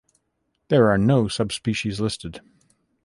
There are no subspecies listed.